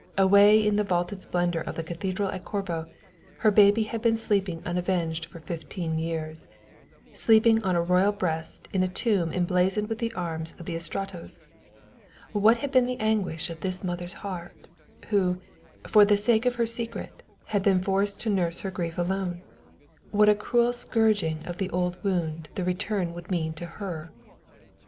Away in the vaulted splendour of the cathedral at Corbo, her baby had been sleeping unavenged for fifteen years, sleeping on a royal breast in a tomb emblazoned with the arms of the Estratos. What had been the anguish of this mother's heart, who, for the sake of her secret, had been forced to nurse her grief alone? What a cruel scourging of the old wound the return would mean to her.